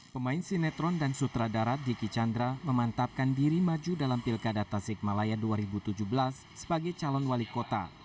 pemain sinetron dan sutradarat diki chandra memantapkan diri maju dalam pilkada tasik malaya dua ribu tujuh belas sebagai calon wali kota